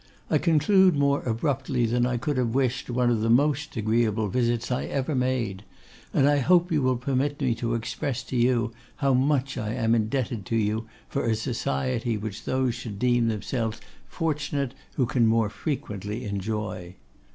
I conclude more abruptly than I could have wished one of the most agreeable visits I ever made; and I hope you will permit me to express to you how much I am indebted to you for a society which those should deem themselves fortunate who can more frequently enjoy.